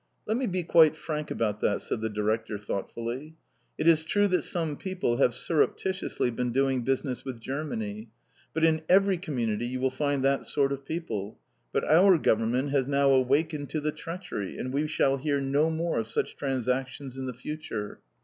"Let me be quite frank about that," said the director thoughtfully. "It is true that some people have surreptitiously been doing business with Germany. But in every community you will find that sort of people. But our Government has now awakened to the treachery, and we shall hear no more of such transactions in the future."